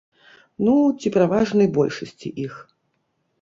Ну, ці пераважнай большасці іх.